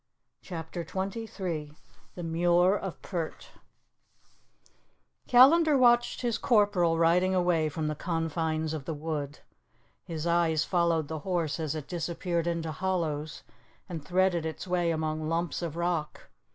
CHAPTER XXIII THE MUIR OF PERT CALLANDAR watched his corporal riding away from the confines of the wood. His eyes followed the horse as it disappeared into hollows and threaded its way among lumps of rock.